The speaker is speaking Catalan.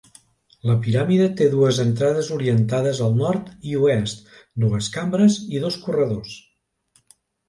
La piràmide té dues entrades orientades al nord i oest, dues cambres i dos corredors.